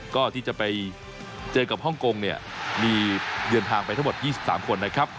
ก็ที่จะไปเจอกับฮ่องกงเนี่ยมีเดินทางไปทั้งหมด๒๓คนนะครับ